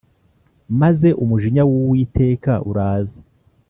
Maze umujinya w ‘Uwiteka uraza